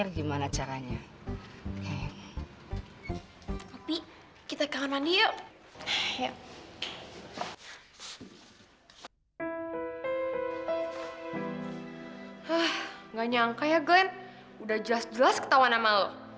gak nyangka ya glenn udah jelas jelas ketawaan sama lo